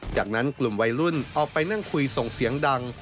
จากนั้นกลุ่มวัยรุ่นออกไปนั่งคุยส่งเสียงดัง